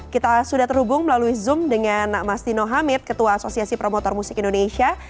kita sudah terhubung melalui zoom dengan mas dino hamid ketua asosiasi promotor musik indonesia